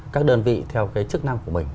các đơn vị theo cái chức năng của mình